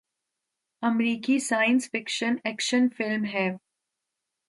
امریکی science fiction action film ہے